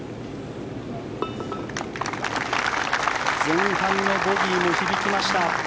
前半のボギーも響きました。